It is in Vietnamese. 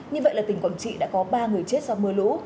như vậy là tỉnh quảng trị đã có ba người chết do mưa lũ